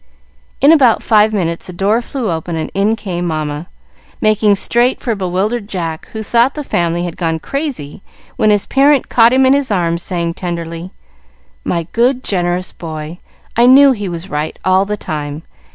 In about five minutes the door flew open and in came Mamma, making straight for bewildered Jack, who thought the family had gone crazy when his parent caught him in her arms, saying tenderly, "My good, generous boy! I knew he was right all the time!"